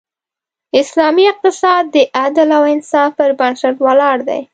اسلامی اقتصاد د عدل او انصاف پر بنسټ ولاړ دی.